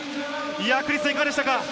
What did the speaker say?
クリスさん、いかがでしたか？